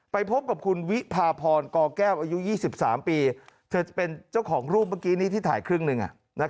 ไปพบกับคุณวิพาพรกแก้วอายุ๒๓ปีเธอจะเป็นเจ้าของรูปเมื่อกี้นี้ที่ถ่ายครึ่งหนึ่ง